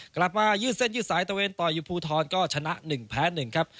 กลับมายืดเส้นยืดสายตะเวนต่อยอุภูทรก็ชนะหนึ่งแพ้หนึ่งครับ